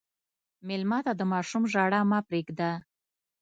مېلمه ته د ماشوم ژړا مه پرېږده.